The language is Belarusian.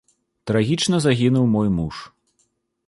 Трагічна загінуў мой муж.